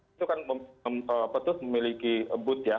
itu kan betul memiliki ebud ya